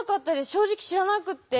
正直知らなくて。